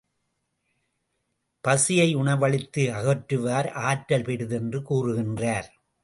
பசியை உணவளித்து அகற்றுவார் ஆற்றல் பெரிதென்று கூறுகின்றார்.